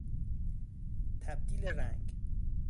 تبدیل رنگ